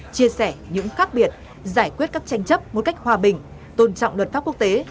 chia sẻ những khác biệt giải quyết các tranh chấp một cách hòa bình tôn trọng luật pháp quốc tế